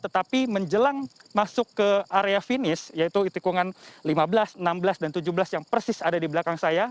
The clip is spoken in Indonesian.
tetapi menjelang masuk ke area finish yaitu tikungan lima belas enam belas dan tujuh belas yang persis ada di belakang saya